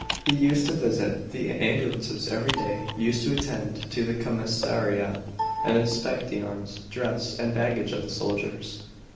He used to visit the ambulances every day, used to attend to the commissariat, and inspect the arms, dress, and baggage of the soldiers.